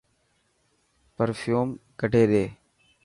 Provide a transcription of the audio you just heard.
پرفيوم ڪڌي ڏي.